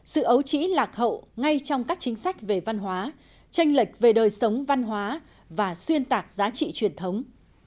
sự ấu trĩ lạc hậu ngay trong các chính sách về văn hóa tranh lệch về đời sống văn hóa và xuyên tạc giá trị truyền thống